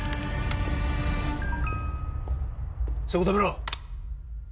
そこ止めろ！